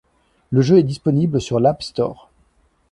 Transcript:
Le jeu est disponible sur l'App Store.